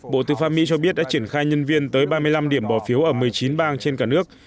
bộ tư pháp mỹ cho biết đã triển khai nhân viên tới ba mươi năm điểm bỏ phiếu ở một mươi chín bang trên cả nước